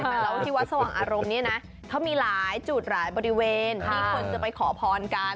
แล้วที่วัดสว่างอารมณ์เนี่ยนะเขามีหลายจุดหลายบริเวณที่คนจะไปขอพรกัน